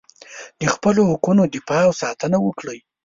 د خپلو حقونو دفاع او ساتنه وکړئ.